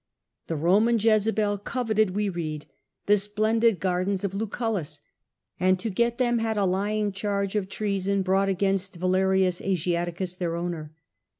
The Roman Jezebel coveted, we read, the splendid gardens of Liicullus, and to get them had a lying charge of treason brought against Valerius Asiaticus, their owner.